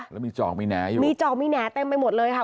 แล้วมีจอกมีแหน่อยู่มีจอกมีแหน่เต็มไปหมดเลยค่ะ